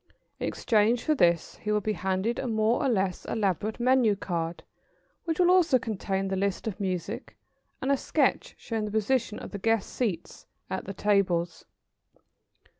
In exchange for this he will be handed a more or less elaborate menu card, which will also contain the list of music and a sketch showing the positions of the guests' seats at the tables. [Sidenote: Saluting the hosts.